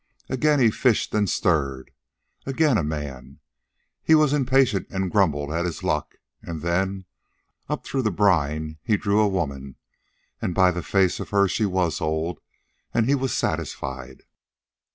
Again he fished and stirred. Again a man. He was impatient, and grumbled at his luck. And then, up through the brine, he drew a woman, and by the face of her she was old, and he was satisfied."